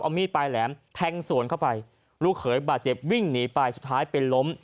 เอามีดปลายแหลมแทงสวนเข้าไปลูกเขยบาดเจ็บวิ่งหนีไปสุดท้ายเป็นล้ม